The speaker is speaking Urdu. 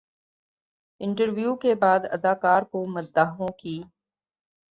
انٹرویو کے بعد اداکار کو مداحوں کی